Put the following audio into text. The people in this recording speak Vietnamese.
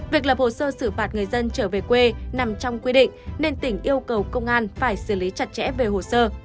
việc lập hồ sơ xử phạt người dân trở về quê nằm trong quy định nên tỉnh yêu cầu công an phải xử lý chặt chẽ về hồ sơ